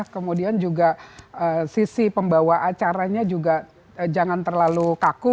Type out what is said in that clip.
kemudian juga sisi pembawa acaranya juga jangan terlalu kaku